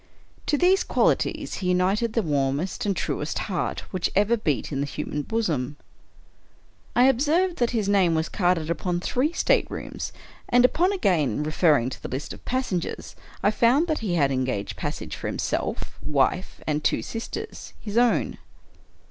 To these qualities he united the warmest and truest heart which ever beat in a human bosom. I observed that his name was carded upon three state rooms: and, upon again referring to the list of passengers, I found that he had engaged passage for himself, wife, and two sisters — his own.